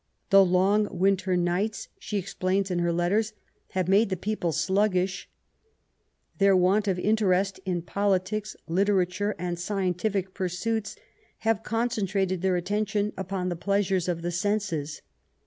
The long winter nights^ she explains in her letters, have made the people sluggish. Their want of interest in politics, literature, and scientific pursuits, have concentrated their attention upon the pleasures of the senses.